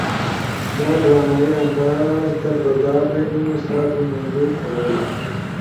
یا ڈرامائی انداز در رضا بیئنو سا تُو منظور تو بئیلا۔